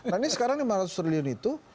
nah ini sekarang lima ratus triliun itu